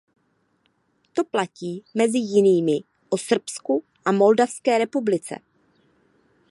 To platí, mezi jinými, o Srbsku a Moldavské republice.